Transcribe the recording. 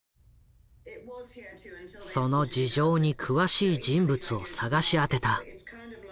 その事情に詳しい人物を探し当てた。